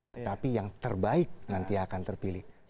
tetapi yang terbaik nanti akan terpilih